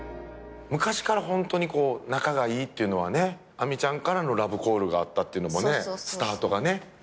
昔からホントにこう仲がいいっていうのはね亜美ちゃんからのラブコールがあったっていうのもねスタートがね。